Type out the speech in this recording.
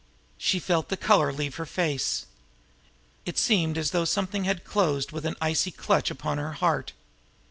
She felt the color leave her face. It seemed as though something had closed with an icy clutch upon her heart.